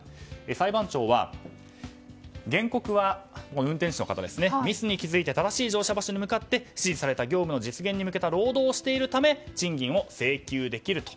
裁判長は原告は、ミスに気付いて正しい乗車場所に向かって指示された業務の実現に向けた労働をしているため賃金を請求できると。